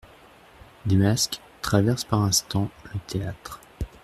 Des masques traversent par instans le théâtre.